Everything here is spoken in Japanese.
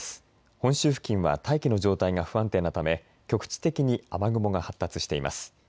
本州付近は大気の状態が不安定なため局地的に雨雲が発達しています。